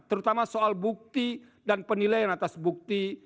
terutama soal bukti dan penilaian atas bukti